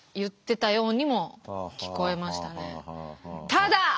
「ただ」。